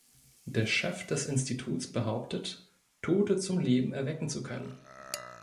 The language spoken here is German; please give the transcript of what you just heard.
Der Chef des Instituts behauptet, Tote zum Leben erwecken zu können.